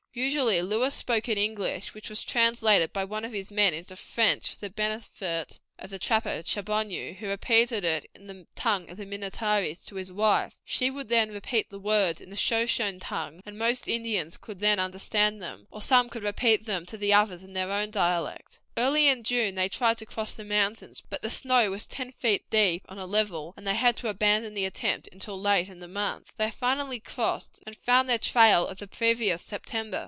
Usually Lewis spoke in English, which was translated by one of his men into French for the benefit of the trapper Chaboneau, who repeated it in the tongue of the Minnetarees to his wife; she would then repeat the words in the Shoshone tongue, and most of the Indians could then understand them, or some could repeat them to the others in their own dialect. Early in June they tried to cross the mountains, but the snow was ten feet deep on a level, and they had to abandon the attempt until late in the month. They finally crossed, and found their trail of the previous September.